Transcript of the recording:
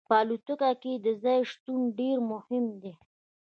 په الوتکه کې د ځای شتون ډیر مهم دی